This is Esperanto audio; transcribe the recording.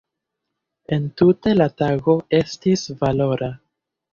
Entute la tago estis valora.